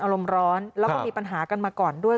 อารมณ์ร้อนแล้วก็มีปัญหากันมาก่อนด้วย